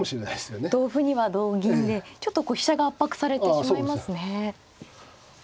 同歩には同銀でちょっと飛車が圧迫されてしまいますね。